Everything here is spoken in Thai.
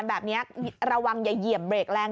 แบบนี้ระวังอย่าเหยียบเบรกแรง